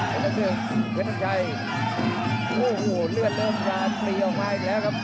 แพทย์น้ำชัยโอ้โหเลือดเริ่มได้ฟรีออกมาอีกแล้วครับ